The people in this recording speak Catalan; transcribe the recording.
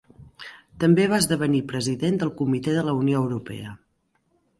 També va esdevenir president del Comitè de la Unió Europea.